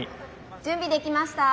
準備できました！